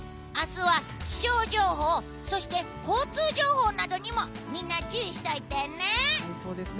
明日は気象情報そして交通情報にもみんな注意しておいてね。